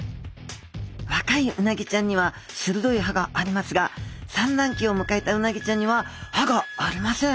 若いうなぎちゃんにはするどい歯がありますが産卵期をむかえたうなぎちゃんには歯がありません。